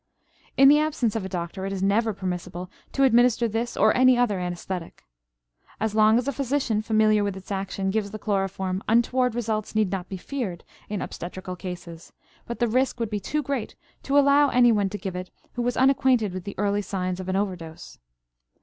In the absence of a doctor it is never permissible to administer this or any other anesthetic. As long as a physician familiar with its action gives the chloroform untoward results need not be feared in obstetrical cases; but the risk would be too great to allow anyone to give it who was unacquainted with the early signs of an over dose.